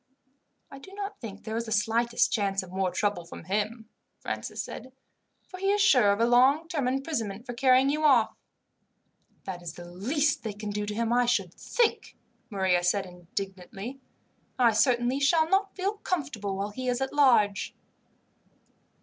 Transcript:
"I do not think there is the slightest chance of more trouble from him," Francis said. "He is sure of a long term of imprisonment for carrying you off." "That is the least they can do to him, I should think," Maria said indignantly. "I certainly shall not feel comfortable while he is at large."